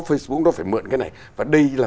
facebook nó phải mượn cái này và đây là